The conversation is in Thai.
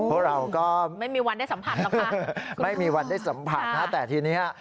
โอ้โฮไม่มีวันได้สัมผัสแล้วค่ะคุณบุ๊คดิฉันค่ะแต่ทีนี้